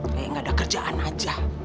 kayak gak ada kerjaan aja